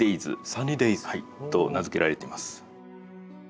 「サニーデイズ」！と名付けられています。